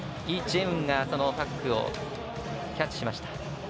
イ・ジェウンがそのパックをキャッチしました。